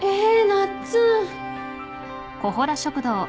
なっつん！